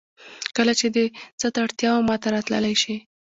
کله چې دې څه ته اړتیا وه ماته راتللی شې